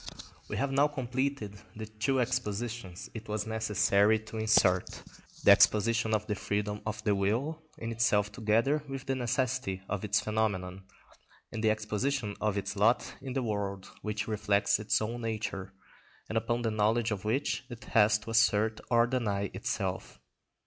We have now completed the two expositions it was necessary to insert; the exposition of the freedom of the will in itself together with the necessity of its phenomenon, and the exposition of its lot in the world which reflects its own nature, and upon the knowledge of which it has to assert or deny itself.